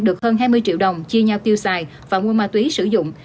được hơn hai mươi triệu đồng chia nhau tiêu xài và mua ma túy sử dụng